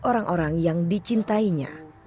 orang orang yang dicintainya